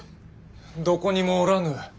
どこにもおらぬ。